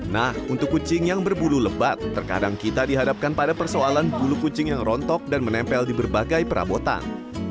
nah untuk kucing yang berbulu lebat terkadang kita dihadapkan pada persoalan bulu kucing yang rontok dan menempel di berbagai perabotan